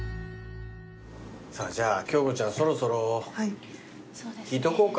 さぁじゃあ京子ちゃんそろそろいっとこうか。